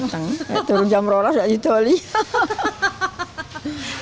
turun jam rolas sudah ditolong